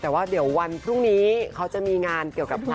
แต่ว่าเดี๋ยววันพรุ่งนี้เขาจะมีงานเกี่ยวกับพระ